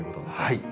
はい。